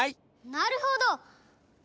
なるほど！